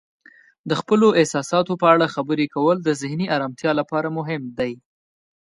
د خپلو احساساتو په اړه خبرې کول د ذهني آرامتیا لپاره مهم دی.